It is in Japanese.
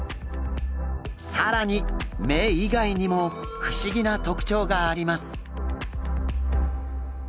更に目以外にも不思議な特徴があります。